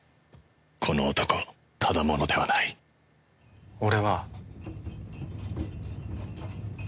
この男ただ者ではない俺は。